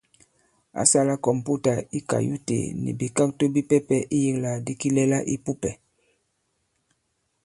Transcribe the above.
Ǎ sālā kɔ̀mputà i kayute nì bìkakto bipɛpɛ iyīklàgàdi kilɛla ī pupɛ̀.